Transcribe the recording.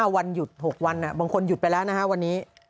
วันหยุด๖วันบางคนหยุดไปแล้วนะฮะวันนี้